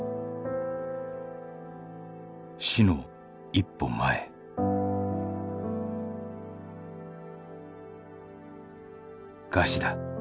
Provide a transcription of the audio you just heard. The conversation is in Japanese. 「死の一歩前」「餓死だ」